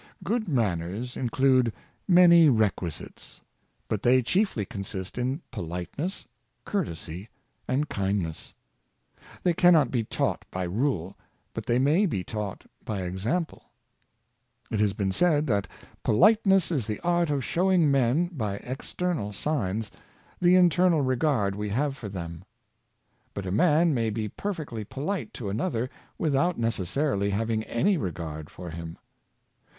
Good manners include many requisites; but they chiefly consist in politeness, courtesy, and kindness. They cannot be taught by rule, but they may be taught by example. It has been said that politeness is the art of showing men, by external signs, the internal 24 Habitual Poliie7iess. regard we have for them. But a man may be perfectly poHte to another without necessarily having any regard for him.